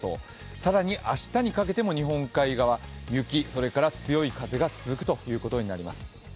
更に明日にかけても日本海側、雪、そして強い風が続くということになりそうです。